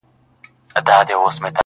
خلاصوي سړی له دین او له ایمانه,